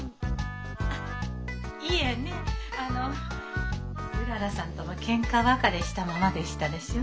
あっいえねあのうららさんともケンカ別れしたままでしたでしょ？